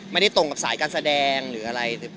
ตรงกับสายการแสดงหรืออะไร